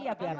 iya biar mau